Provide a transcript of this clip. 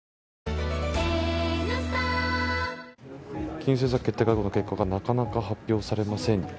金融政策決定会合の結果がなかなか発表されません。